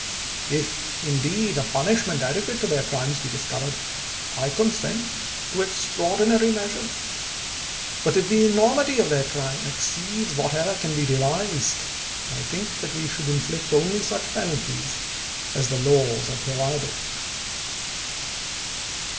If, indeed, a punish ment adequate to their crimes be discovered, I consent to extraordinary measures; but if the enormity of their crime exceeds whatever can be devised, I think that we should inflict only such penalties as the laws have provided.